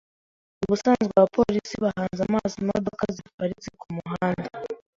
Ubusanzwe abapolisi bahanze amaso imodoka ziparitse kumuhanda.